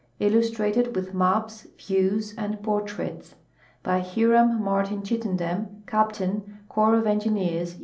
Illustrated with maps, views, and portraits. By Hiram ^lartin Chittenden, Cap tain, Corps of Engineere, U.